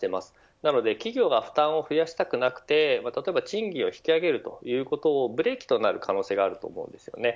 なので企業が負担を増やしたくなくて賃金を引き上げるということをブレーキとなる可能性があると思うんです。